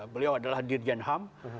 beliau adalah dirjen ham